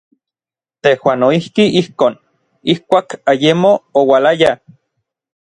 Tejuan noijki ijkon, ijkuak ayemo oualaya.